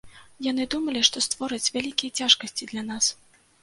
Яны думалі, што створаць вялікія цяжкасці для нас.